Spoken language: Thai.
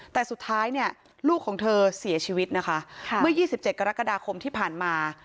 แต่สุดท้ายเนี่ยลูกของเธอเสียชีวิตนะคะเมื่อ๒๗กรกฎาคมที่ผ่านมา